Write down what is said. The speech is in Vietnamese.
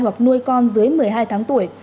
hoặc nuôi con dưới một mươi hai tháng tuổi